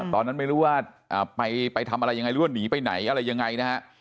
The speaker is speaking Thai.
ตอนนั้นไม่รู้ว่าไปทำอะไรยังไงหรือว่าหนีไปไหนอะไรยังไงนะฮะ